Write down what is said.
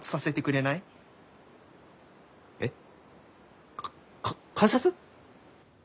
えっ？か観察！？